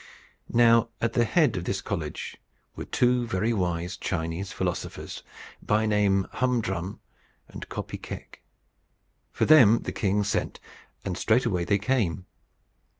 Now at the head of this college were two very wise Chinese philosophers by name, Hum Drum and Kopy Keck. For them the king sent; and straightway they came.